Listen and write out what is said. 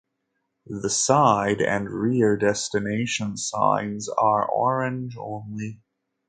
The side and rear destination signs are orange-only.